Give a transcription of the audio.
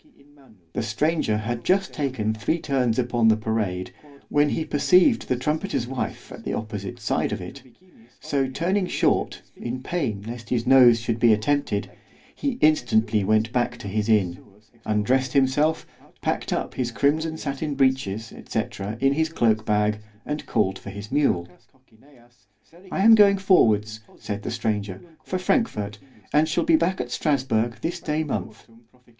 The stranger had just taken three turns upon the parade, when he perceived the trumpeter's wife at the opposite side of it—so turning short, in pain lest his nose should be attempted, he instantly went back to his inn—undressed himself, packed up his crimson sattin breeches, &c. in his cloak bag, and called for his mule. I am going forwards, said the stranger, for Frankfort——and shall be back at Strasburg this day month.